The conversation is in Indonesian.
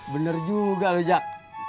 bener juga ya jak